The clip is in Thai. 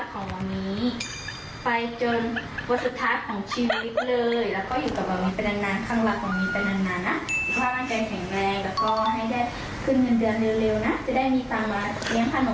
ขอบคุณนะขอบคุณครับ